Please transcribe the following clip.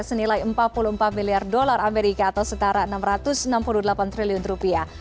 senilai empat puluh empat miliar dolar amerika atau setara enam ratus enam puluh delapan triliun rupiah